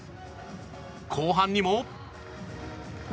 後半にも。